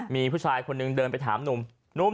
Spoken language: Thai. มีผู้ชายคนหนึ่งเดินไปถามนุ่ม